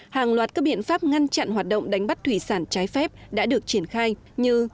hàng loạt các biện pháp ngăn chặn hoạt động đánh bắt thủy sản trái phép đã được triển khai như